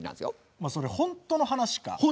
お前それ本当の話か？